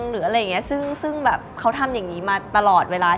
หรืออะไรอย่างนี้ซึ่งแบบเขาทำอย่างนี้มาตลอดเวลา